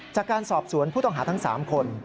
จากการสอบสวนผู้ต้องหาทั้ง๓คน